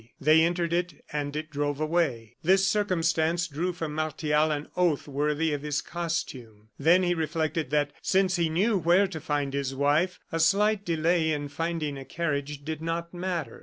They entered it and it drove away. This circumstance drew from Martial an oath worthy of his costume. Then he reflected that, since he knew where to find his wife, a slight delay in finding a carriage did not matter.